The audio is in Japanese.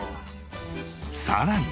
さらに。